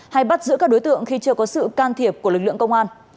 hay bắt giữ các đối tượng khi chưa có sự can thiệp của lực lượng công an